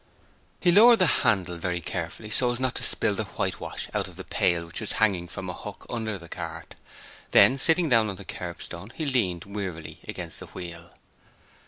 He lowered the handle very carefully so as not to spill the whitewash out of the pail which was hanging from a hook under the cart, then, sitting down on the kerbstone, he leaned wearily against the wheel.